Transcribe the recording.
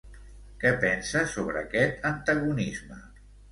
Què pensa sobre aquest antagonisme?